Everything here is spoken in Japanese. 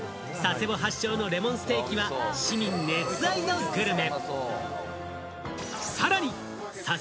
佐世保発祥のレモンステーキは市民熱愛のグルメ。